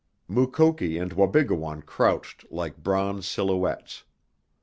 Mukoki and Wabigoon crouched like bronze silhouettes.